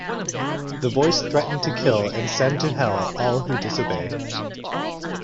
The voice threatened to kill and send to Hell all who disobey.